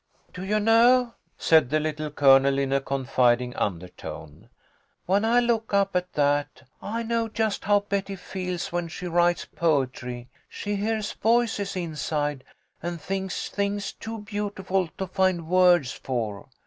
"Do you know," said the Little Colonel, in a con fiding undertone, "when I look up at that, I know just how Betty feels when she writes poetry. She heahs voices inside, and thinks things too beautiful to find words for.